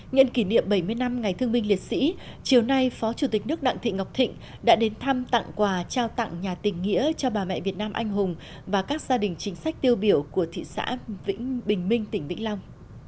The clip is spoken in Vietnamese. nhân kỷ niệm bảy mươi năm ngày thương binh liệt sĩ chiều nay phó chủ tịch nước đặng thị ngọc thịnh đã đến thăm tặng quà trao tặng nhà tình nghĩa cho bà mẹ việt nam anh hùng và các gia đình chính sách tiêu biểu của thị xã vĩnh bình minh tỉnh vĩnh long